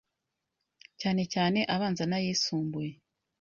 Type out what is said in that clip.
cyane cyane abanza n’ayisumbuye